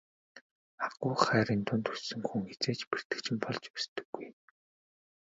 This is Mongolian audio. Агуу их хайрын дунд өссөн хүн хэзээ ч бэртэгчин болж өсдөггүй.